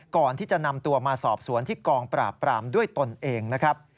ก่อนที่จะนำตัวมาสอบสวนที่กองปราบปรามด้วยตนเองนะครับ